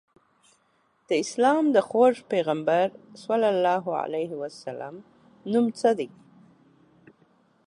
د اسلام د خوږ پیغمبر ص نوم څه دی؟